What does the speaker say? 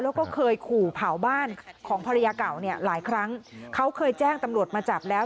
แล้วก็เคยขู่เผาบ้านของภรรยาเก่าเนี่ยหลายครั้งเขาเคยแจ้งตำรวจมาจับแล้ว